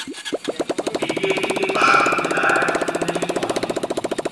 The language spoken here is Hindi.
बीजेपी के बागी विधायक चेन्नई पहुंचे